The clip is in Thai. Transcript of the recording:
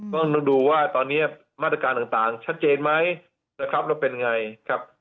ต้องดูว่าตอนนี้มาตรการต่างชัดเจนไหมนะครับแล้วเป็นไงครับ